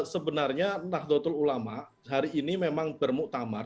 sebenarnya nahdlatul ulama hari ini memang bermuktamar